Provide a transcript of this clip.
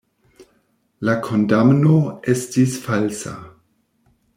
La kondamno estis falsa.